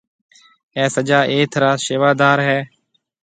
اَي سجا ايٿ را شيوادرِ هيَ۔